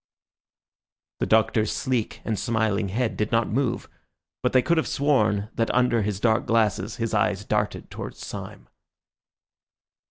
The Doctor's sleek and smiling head did not move, but they could have sworn that under his dark glasses his eyes darted towards Syme.